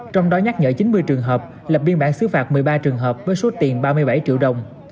trong đó nhắc nhở chín mươi trường hợp lập biên bản xứ phạt một mươi ba trường hợp với số tiền ba mươi bảy triệu đồng